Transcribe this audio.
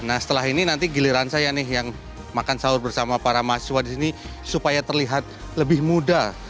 nah setelah ini nanti giliran saya nih yang makan sahur bersama para mahasiswa disini supaya terlihat lebih mudah